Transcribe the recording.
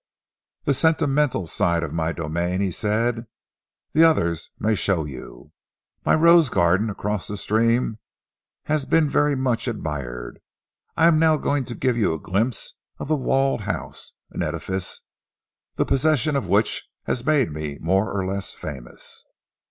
"The sentimental side of my domain;" he said, "the others may show you. My rose garden across the stream has been very much admired. I am now going to give you a glimpse of The Walled House, an edifice the possession of which has made me more or less famous."